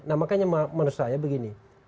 nah makanya menurut saya begini